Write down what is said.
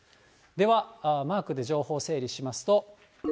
では、マークで情報を整理しますと。